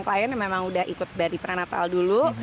klien yang memang udah ikut dari pranatal dulu